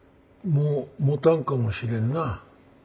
「もうもたんかもしれんな。